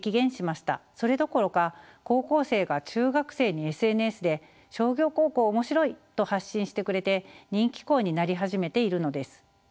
それどころか高校生が中学生にＳＮＳで「商業高校面白い！」と発信してくれて人気校になり始めているのです。